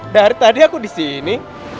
dari tadi aku disini